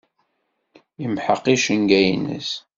Yemḥeq icenga-nnes.